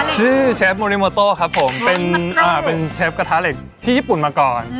เชฟโมนิโมโต้ครับผมเป็นเชฟกระทะเหล็กที่ญี่ปุ่นมาก่อน